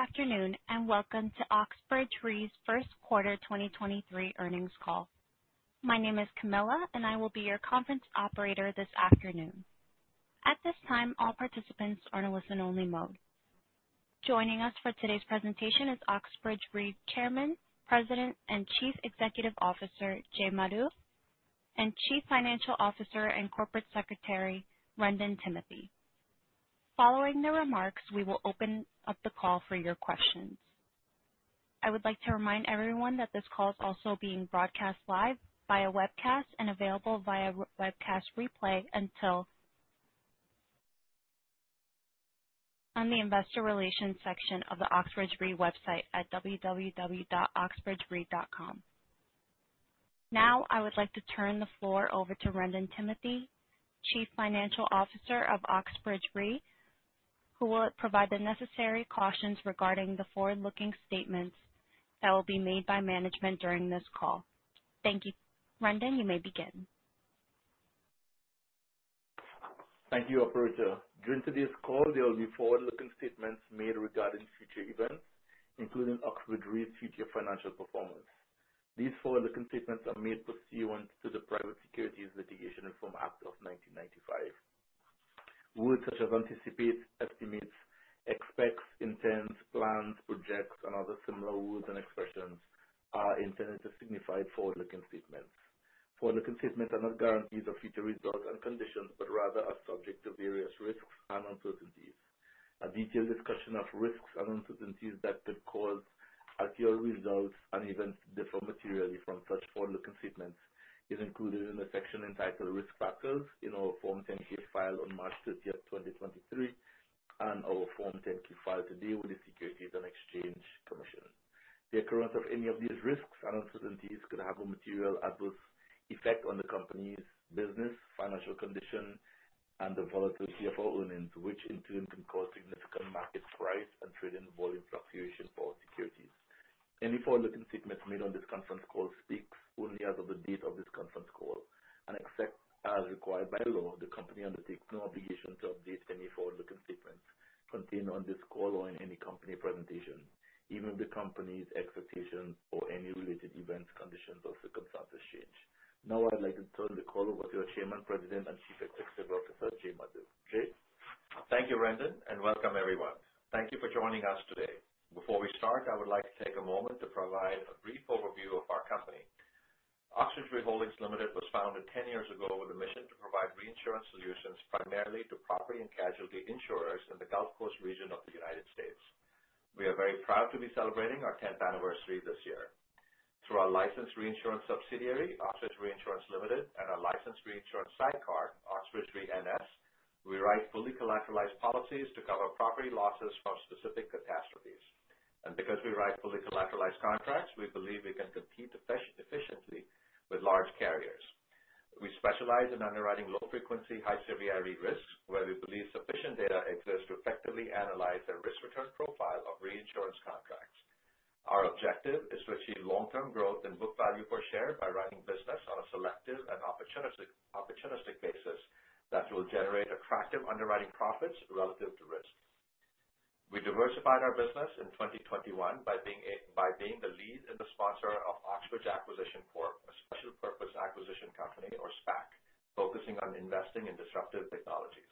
Good afternoon. Welcome to Oxbridge Re's first quarter 2023 earnings call. My name is Camilla. I will be your conference operator this afternoon. At this time, all participants are in listen only mode. Joining us for today's presentation is Oxbridge Re Chairman, President, and Chief Executive Officer, Jay Madhu, and Chief Financial Officer and Corporate Secretary, Wrendon Timothy. Following the remarks, we will open up the call for your questions. I would like to remind everyone that this call is also being broadcast live via webcast and available via webcast replay on the investor relations section of the Oxbridge Re website at www.oxbridgere.com. I would like to turn the floor over to Wrendon Timothy, Chief Financial Officer of Oxbridge Re, who will provide the necessary cautions regarding the forward-looking statements that will be made by management during this call. Thank you. Wrendon, you may begin. Thank you, operator. During today's call, there will be forward-looking statements made regarding future events, including Oxbridge Re's future financial performance. These forward-looking statements are made pursuant to the Private Securities Litigation Reform Act of 1995. Words such as anticipate, estimates, expects, intends, plans, projects, and other similar words and expressions are intended to signify forward-looking statements. Forward-looking statements are not guarantees of future results and conditions, but rather are subject to various risks and uncertainties. A detailed discussion of risks and uncertainties that could cause actual results and events to differ materially from such forward-looking statements is included in the section entitled Risk Factors in our Form 10-K file on March 30th, 2023, and our Form 10-K file today with the Securities and Exchange Commission. The occurrence of any of these risks and uncertainties could have a material adverse effect on the company's business, financial condition, and the volatility of our earnings, which in turn can cause significant market price and trading volume fluctuation for our securities. Any forward-looking statements made on this conference call speaks only as of the date of this conference call. Except as required by law, the company undertakes no obligation to update any forward-looking statements contained on this call or in any company presentation, even if the company's expectations or any related events, conditions, or circumstances change. Now I'd like to turn the call over to our Chairman, President, and Chief Executive Officer, Jay Madhu. Jay? Thank you, Wrendon, welcome everyone. Thank you for joining us today. Before we start, I would like to take a moment to provide a brief overview of our company. Oxbridge Re Holdings Limited was founded 10 years ago with a mission to provide reinsurance solutions primarily to property and casualty insurers in the Gulf Coast region of the United States. We are very proud to be celebrating our 10th anniversary this year. Through our licensed reinsurance subsidiary, Oxbridge Reinsurance Limited, and our licensed reinsurance sidecar, Oxbridge Re NS Ltd., we write fully collateralized policies to cover property losses from specific catastrophes. Because we write fully collateralized contracts, we believe we can compete efficiency with large carriers. We specialize in underwriting low frequency, high severity risks, where we believe sufficient data exists to effectively analyze the risk return profile of reinsurance contracts. Our objective is to achieve long-term growth in book value per share by writing business on a selective and opportunistic basis that will generate attractive underwriting profits relative to risk. We diversified our business in 2021 by being the lead and the sponsor of Oxbridge Acquisition Corp, a special purpose acquisition company or SPAC, focusing on investing in disruptive technologies.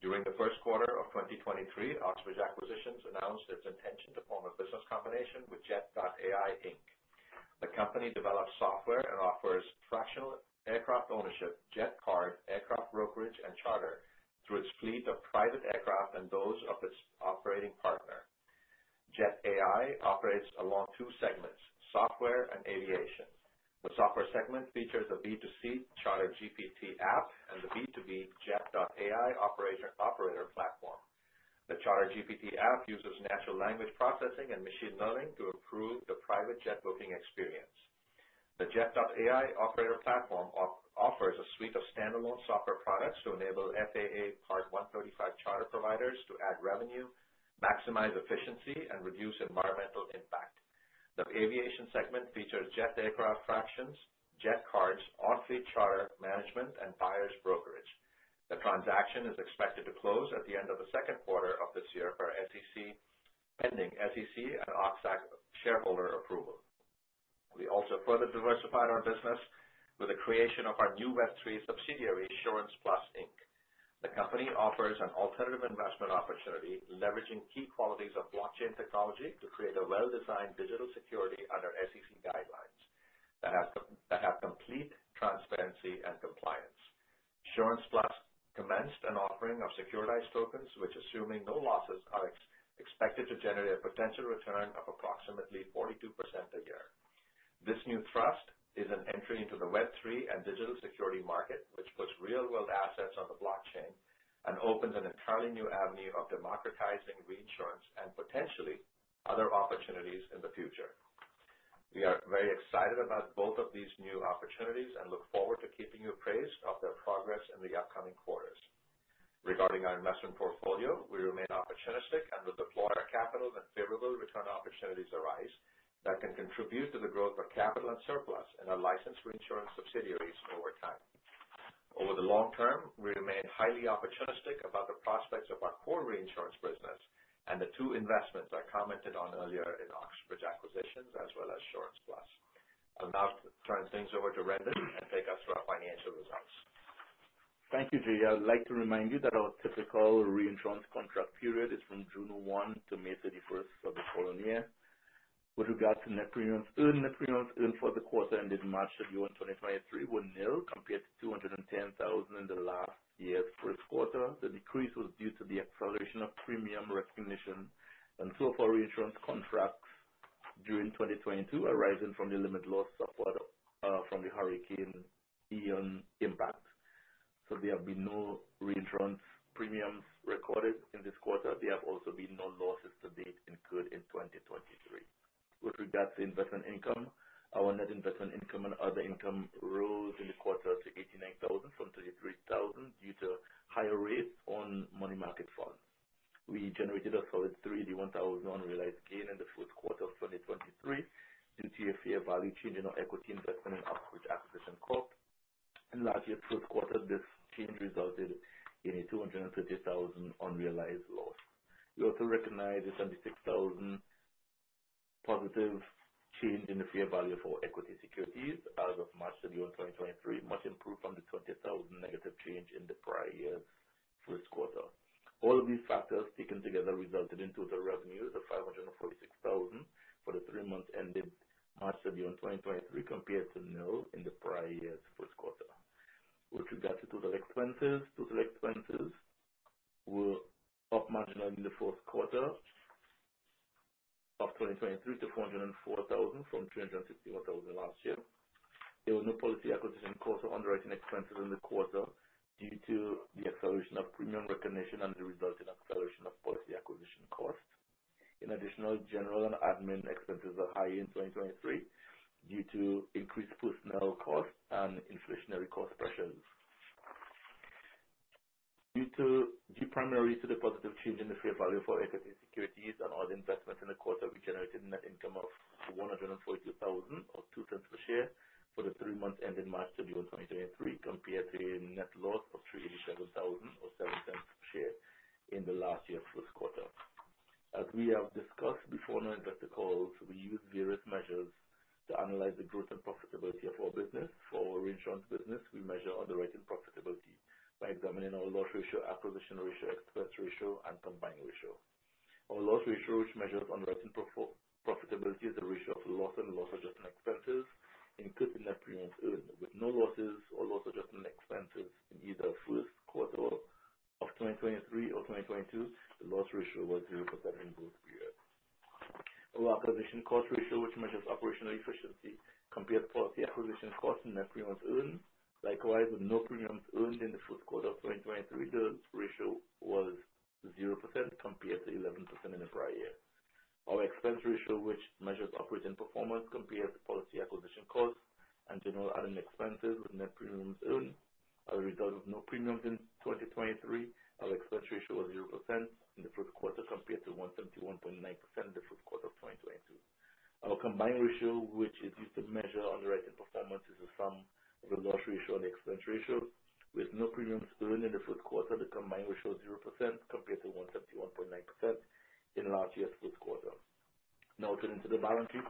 During the first quarter of 2023, Oxbridge Acquisitions announced its intention to form a business combination with Jet.AI Inc. The company develops software and offers fractional aircraft ownership, Jet Card, aircraft brokerage, and charter through its fleet of private aircraft and those of its operating partner. Jet.AI operates along 2 segments, software and aviation. The software segment features a B2C CharterGPT app and the B2B Jet.AI Operator platform. The CharterGPT app uses natural language processing and machine learning to improve the private jet booking experience. The Jet.AI Operator platform offers a suite of standalone software products to enable FAA Part 135 charter providers to add revenue, maximize efficiency, and reduce environmental impact. The aviation segment features jet aircraft fractions, Jet Cards, off-fleet charter management, and buyers brokerage. The transaction is expected to close at the end of the second quarter of this year pending SEC and OXAC shareholder approval. We also further diversified our business with the creation of our new Web3 subsidiary, SurancePlus, Inc. The company offers an alternative investment opportunity, leveraging key qualities of blockchain technology to create a well-designed digital security under SEC guidelines that have complete transparency and compliance. SurancePlus commenced an offering of securitized tokens, which assuming no losses, are expected to generate a potential return of approximately 42% a year. This new thrust is an entry into the Web3 and digital security market, which puts real-world assets on the blockchain and opens an entirely new avenue of democratizing reinsurance and potentially other opportunities in the future. We are very excited about both of these new opportunities and look forward to keeping you appraised of their progress in the upcoming quarters. Regarding our investment portfolio, we remain opportunistic and will deploy our capital when favorable return opportunities arise that can contribute to the growth of capital and surplus in our licensed reinsurance subsidiaries over time. Over the long term, we remain highly opportunistic about the prospects of our core reinsurance business and the two investments I commented on earlier in Oxbridge Acquisition Corp. as well as SurancePlus. I'll now turn things over to Wrendon to take us through our financial results. Thank you, Jay. I would like to remind you that our typical reinsurance contract period is from June 1 to May 31st of the following year. With regards to net premiums earned, net premiums earned for the quarter ended March 31, 2023, were nil compared to $210,000 in the last year's first quarter. The decrease was due to the acceleration of premium recognition and so far reinsurance contracts during 2022 arising from the limit loss support from the Hurricane Ian impact. There have been no reinsurance premiums recorded in this quarter. There have also been no losses to date incurred in 2023. With regards to investment income, our net investment income and other income rose in the quarter to $89,000 from $33,000 due to higher rates on money market funds. We generated a solid $301,000 unrealized gain in the fourth quarter of 2023 due to a fair value change in our equity investment in Oxbridge Acquisition Corp. In last year's first quarter, this change resulted in a $250,000 unrealized loss. We also recognized a $76,000 positive change in the fair value for equity securities as of March 31, 2023, much improved from the $20,000 negative change in the prior year's first quarter. All these factors taken together resulted in total revenues of $546,000 for the three months ending March 31, 2023 compared to nil in the prior year's first quarter. With regards to total expenses, total expenses were up marginally in the fourth quarter of 2023 to $404,000 from $361,000 last year. There were no policy acquisition costs or underwriting expenses in the quarter due to the acceleration of premium recognition and the resulting acceleration of policy acquisition costs. In addition, general and admin expenses are high in 2023 due to increased personnel costs and inflationary cost pressures. Due primarily to the positive change in the fair value for equity securities and all the investments in the quarter, we generated net income of $142,000 or $0.02 per share for the three months ending March 31, 2023, compared to a net loss of $307,000 or $0.07 per share in the last year's first quarter. As we have discussed before in our investor calls, we use various measures to analyze the growth and profitability of our business. For our reinsurance business, we measure underwriting profitability by examining our loss ratio, acquisition ratio, expense ratio, and combined ratio. Our loss ratio, which measures underwriting profitability, is the ratio of loss and loss adjustment expenses included in net premiums earned. With no losses or loss adjustment expenses in either first quarter of 2023 or 2022, the loss ratio was 0% in both periods. Our acquisition cost ratio, which measures operational efficiency, compared policy acquisition costs and net premiums earned. Likewise, with no premiums earned in the first quarter of 2023, the ratio was 0% compared to 11% in the prior year. Our expense ratio, which measures operating performance, compares policy acquisition costs and general admin expenses with net premiums earned. As a result of no premiums in 2023, our expense ratio was 0% in the first quarter compared to 171.9% in the first quarter of 2022. Our combined ratio, which is used to measure underwriting performance, is the sum of the loss ratio and expense ratio. With no premiums earned in the first quarter, the combined ratio is 0% compared to 171.9% in last year's first quarter. Turning to the balance sheet.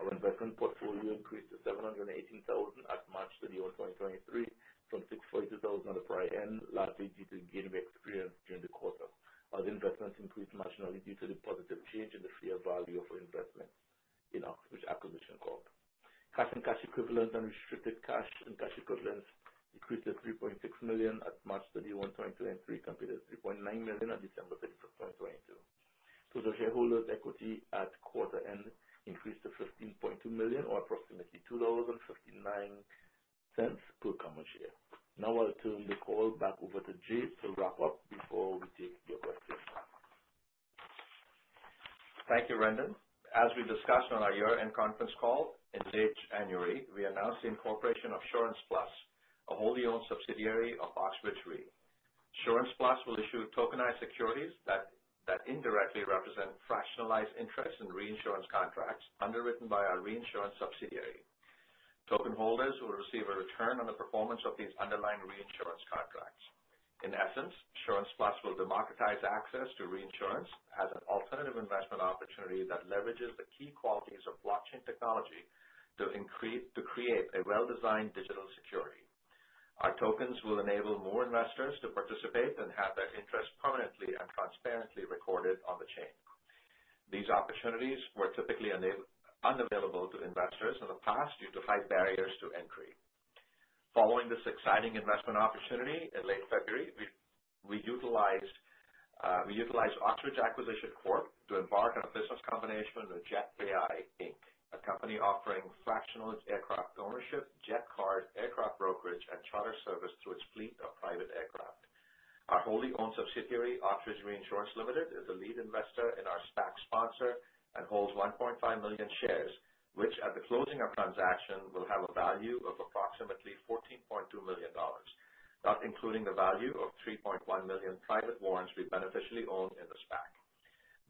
Our investment portfolio increased to $718,000 at March 31, 2023, from $642,000 at the prior end, largely due to gain of experience during the quarter. Our investments increased marginally due to the positive change in the fair value of our investments in Oxbridge Acquisition Corp. Cash and cash equivalents, unrestricted cash and cash equivalents increased to $3.6 million at March 31, 2023, compared to $3.9 million on December 31, 2022. Total shareholders equity at quarter end increased to $15.2 million or approximately $2.59 per common share. Now I'll turn the call back over to Jay to wrap up before we take your questions. Thank you, Rendon. As we discussed on our year-end conference call in late January, we announced the incorporation of SurancePlus, a wholly-owned subsidiary of Oxbridge Re. SurancePlus will issue tokenized securities that indirectly represent fractionalized interest in reinsurance contracts underwritten by our reinsurance subsidiary. Token holders will receive a return on the performance of these underlying reinsurance contracts. In essence, SurancePlus will democratize access to reinsurance as an alternative investment opportunity that leverages the key qualities of blockchain technology to create a well-designed digital security. Our tokens will enable more investors to participate and have their interest permanently and transparently recorded on the chain. These opportunities were typically unavailable to investors in the past due to high barriers to entry. Following this exciting investment opportunity in late February, we utilized Oxbridge Acquisition Corp to embark on a business combination with Jet.AI Inc, a company offering fractionalized aircraft ownership, Jet Card, aircraft brokerage, and charter service to its fleet of private aircraft. Our wholly-owned subsidiary, Oxbridge Reinsurance Limited, is the lead investor in our SPAC sponsor and holds 1.5 million shares, which at the closing of transaction, will have a value of approximately $14.2 million, not including the value of 3.1 million private warrants we beneficially own in the SPAC.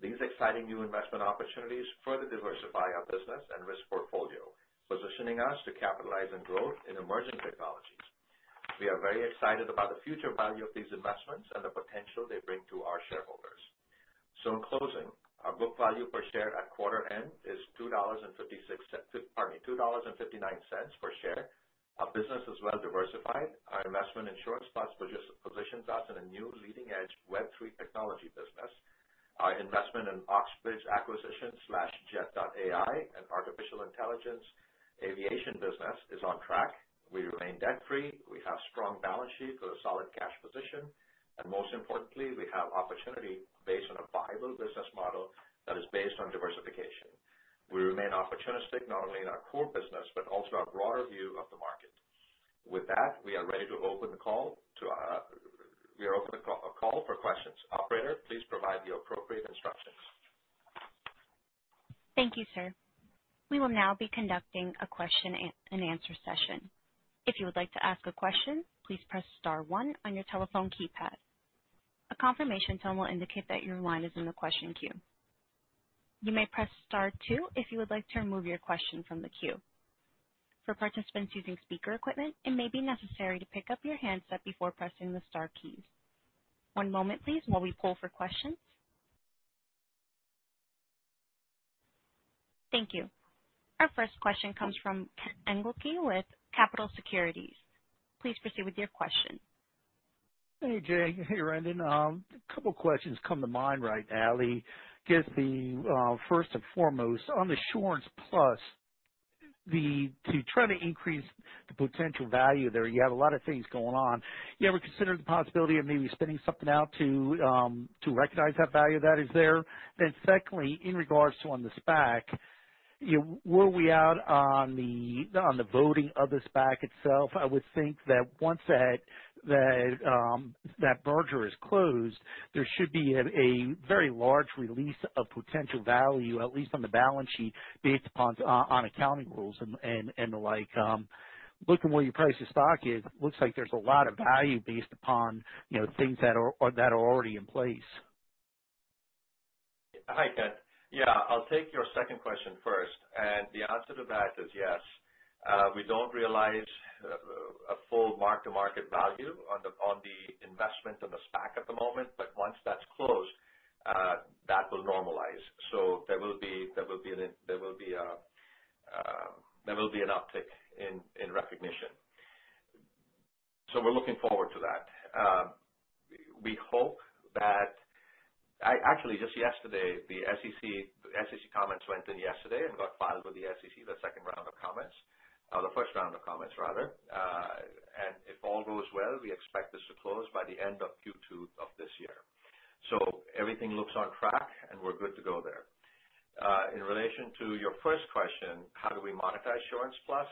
These exciting new investment opportunities further diversify our business and risk portfolio, positioning us to capitalize on growth in emerging technologies. We are very excited about the future value of these investments and the potential they bring to our shareholders. In closing, our book value per share at quarter end is, pardon me, $2.59 per share. Our business is well diversified. Our investment in SurancePlus positions us in a new leading edge Web3 technology business. Our investment in Oxbridge Acquisition/Jet.AI, an artificial intelligence aviation business, is on track. We remain debt-free. We have strong balance sheet with a solid cash position. Most importantly, we have opportunity based on a viable business model that is based on diversification. We remain opportunistic not only in our core business, but also our broader view of the market. We open the call for questions. Operator, please provide the appropriate instructions. Thank you, sir. We will now be conducting a question and answer session. If you would like to ask a question, please press star one on your telephone keypad. A confirmation tone will indicate that your line is in the question queue. You may press star two if you would like to remove your question from the queue. For participants using speaker equipment, it may be necessary to pick up your handset before pressing the star keys. One moment please while we poll for questions. Thank you. Our first question comes from Kent Engelke with Capitol Securities. Please proceed with your question. Hey, Jay. Hey, Wrendon. A couple questions come to mind right now. I guess the first and foremost, on the SurancePlus, to try to increase the potential value there, you have a lot of things going on. You ever considered the possibility of maybe spinning something out to recognize that value that is there? Secondly, in regards to on the SPAC, you know, were we out on the voting of the SPAC itself? I would think that once that that merger is closed, there should be a very large release of potential value, at least on the balance sheet, based upon accounting rules and the like. Looking where your price of stock is, looks like there's a lot of value based upon, you know, things that are already in place. Hi, Kent. I'll take your second question first. The answer to that is yes. We don't realize a full mark-to-market value on the investment on the SPAC at the moment, but once that's closed, that will normalize. There will be an uptick in recognition. We're looking forward to that. We hope that actually just yesterday, the SEC comments went in yesterday and got filed with the SEC, the second round of comments, the first round of comments rather. If all goes well, we expect this to close by the end of Q2 of this year. Everything looks on track, and we're good to go there. In relation to your first question, how do we monetize SurancePlus?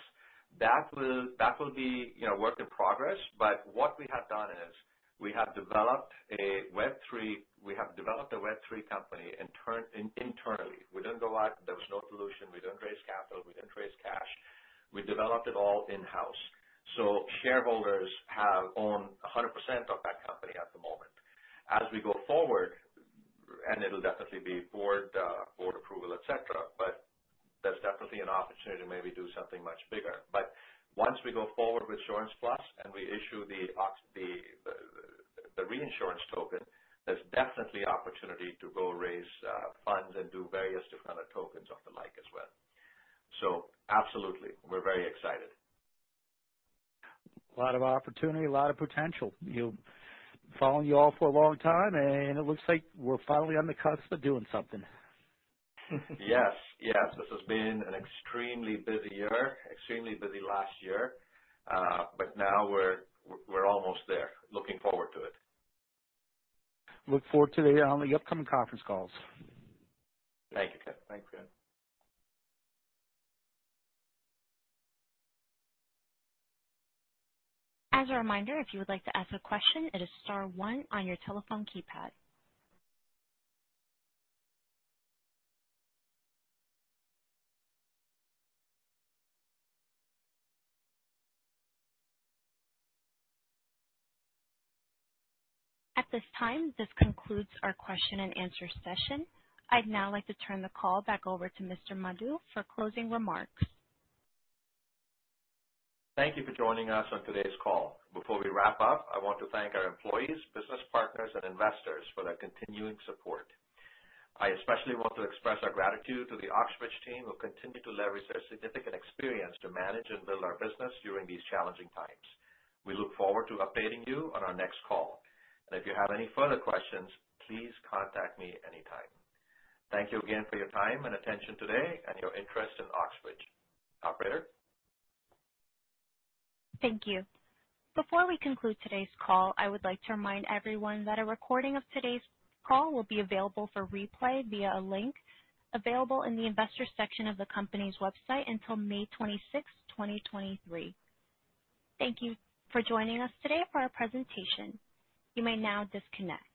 That will be, you know, work in progress, but what we have done is we have developed a Web3 company internally. We didn't go out. There was no dilution. We didn't raise capital. We didn't raise cash. We developed it all in-house. Shareholders have owned 100% of that company at the moment. As we go forward, and it'll definitely be board approval, et cetera, but there's definitely an opportunity to maybe do something much bigger. Once we go forward with SurancePlus and we issue the reinsurance token, there's definitely opportunity to go raise funds and do various different tokens of the like as well. Absolutely, we're very excited. A lot of opportunity, a lot of potential. Following you all for a long time, it looks like we're finally on the cusp of doing something. Yes. Yes. This has been an extremely busy year, extremely busy last year, but now we're almost there. Looking forward to it. Look forward to the upcoming conference calls. Thank you, Kent. Thanks, Kent. As a reminder, if you would like to ask a question, it is star one on your telephone keypad. At this time, this concludes our question and answer session. I'd now like to turn the call back over to Mr. Madhu for closing remarks. Thank you for joining us on today's call. Before we wrap up, I want to thank our employees, business partners, and investors for their continuing support. I especially want to express our gratitude to the Oxbridge team, who continue to leverage their significant experience to manage and build our business during these challenging times. We look forward to updating you on our next call. If you have any further questions, please contact me anytime. Thank you again for your time and attention today and your interest in Oxbridge. Operator? Thank you. Before we conclude today's call, I would like to remind everyone that a recording of today's call will be available for replay via a link available in the Investors section of the company's website until May 26, 2023. Thank you for joining us today for our presentation. You may now disconnect.